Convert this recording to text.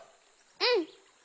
うん！